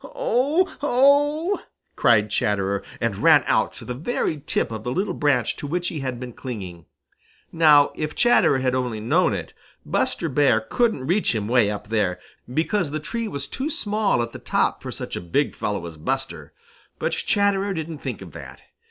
"Oh! Oh!" cried Chatterer, and ran out to the very tip of the little branch to which he had been clinging. Now if Chatterer had only known it, Buster Bear couldn't reach him way up there, because the tree was too small at the top for such a big fellow as Buster. But Chatterer didn't think of that.